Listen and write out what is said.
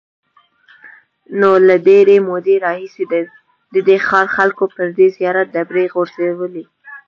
نو له ډېرې مودې راهیسې د دې ښار خلکو پر دې زیارت ډبرې غورځولې.